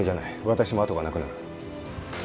私もあとがなくなる。